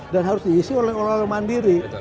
dan harus diisi oleh orang orang mandiri